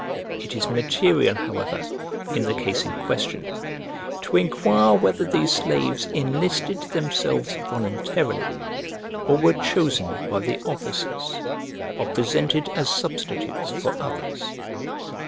It is material however, in the case in question, to inquire whether these slaves in listed themselves voluntarily, or were chosen by the officers, or presented as substitutes for others.